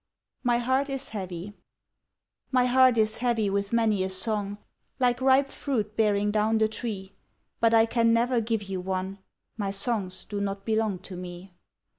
"My Heart Is Heavy" My heart is heavy with many a song Like ripe fruit bearing down the tree, But I can never give you one My songs do not belong to me.